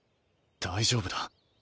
大丈夫だ。